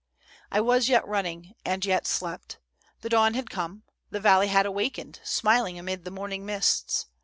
"I was yet running and yet slept. The dawn had come; the valley had awakened, smiling amid the morning mists.